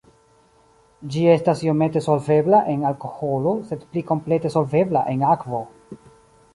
Ĝi estas iomete solvebla en alkoholo sed pli komplete solvebla en akvo.